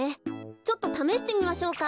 ちょっとためしてみましょうか。